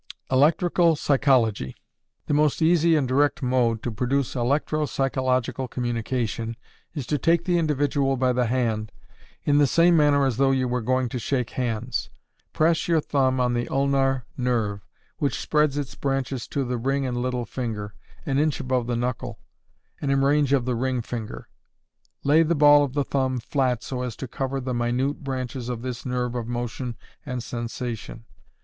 Electrical Psychology. The most easy and direct mode to produce electro psychological communication is to take the individual by the hand, in the same manner as though you were going to shake hands. Press your thumb on the Ulnar nerve, which spreads its branches to the ring and little finger, an inch above the knuckle, and in range of the ring finger. Lay the ball of the thumb flat so as to cover the minute branches of this nerve of motion and sensation.